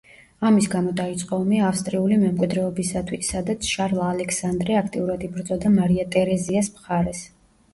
ამის გამო დაიწყო ომი ავსტრიული მემკვიდრეობისათვის, სადაც შარლ ალექსანდრე აქტიურად იბრძოდა მარია ტერეზიას მხარეს.